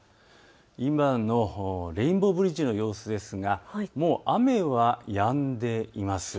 今のレインボーブリッジの様子ですがもう雨はやんでいます。